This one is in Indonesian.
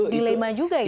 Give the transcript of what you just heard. dilema juga ya